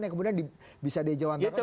yang kemudian bisa diajawabkan dalam politik